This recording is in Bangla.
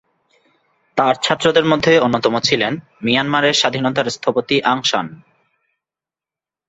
তার ছাত্রদের মধ্যে অন্যতম ছিলেন মিয়ানমারের স্বাধীনতার স্থপতি আং সান।